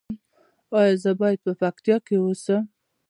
ایا زه باید په پکتیا کې اوسم؟